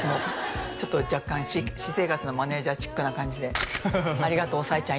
ちょっと若干私生活のマネージャーチックな感じでありがとう小恵ちゃん